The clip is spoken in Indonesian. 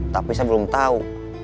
tapi saya belum tau